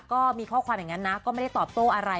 ก็มีข้อความอย่างนั้นนะก็ไม่ได้ตอบโต้อะไร